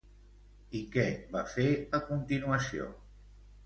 I què va fer, a continuació?